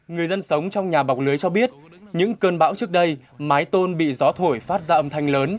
người dân sống trong nhà bọc lưới cho biết những cơn bão trước đây mái tôn bị gió thổi phát ra âm thanh lớn